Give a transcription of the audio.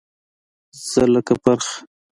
زه لکه پرخه